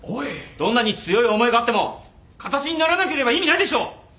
どんなに強い思いがあっても形にならなければ意味ないでしょう！